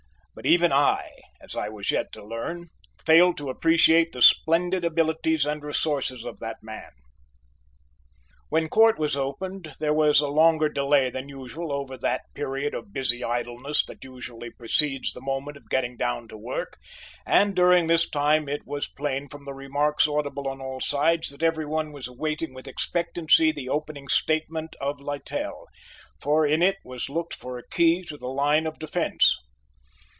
But even I, as I was yet to learn, failed to appreciate the splendid abilities and resources of that man. When court was opened there was a longer delay than usual over that period of busy idleness that usually precedes the moment of getting down to work, and during this time it was plain from the remarks audible on all sides that every one was awaiting with expectancy the opening statement of Littell, for in it was looked for a key to the line of defence.